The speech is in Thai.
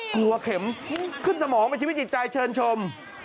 เข็มขึ้นสมองเป็นชีวิตจิตใจเชิญชม